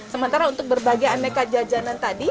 sementara untuk berbagai aneka jajanan tadi